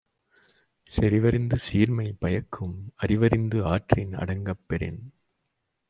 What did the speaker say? செறிவறிந்து சீர்மை பயக்கும் அறிவறிந்து ஆற்றின் அடங்கப் பெறின்